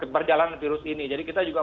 berjalan virus ini jadi kita juga